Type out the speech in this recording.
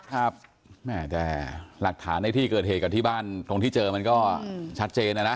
ครับแม่แต่หลักฐานในที่เกิดเหตุกับที่บ้านตรงที่เจอมันก็ชัดเจนนะนะ